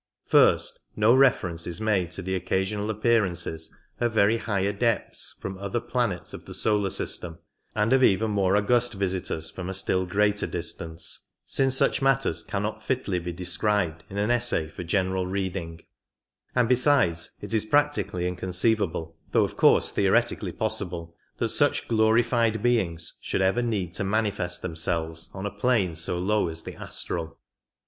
First, no reference is made to the occasional appearances of very high Adepts from other planets of the solar system and of even more august Visitors from a still greater distance, since such matters cannot fitly be described in an essay for general reading ; and besides it is practically inconceivable, though of course theoretically possible, that such glorified 47 Beings should ever need to manifest Themselves on a plane so low as the astral.